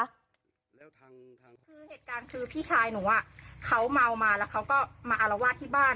เหตุการณ์คือพี่ชายหนูเขาเมามาแล้วเขาก็มาอารวาสที่บ้าน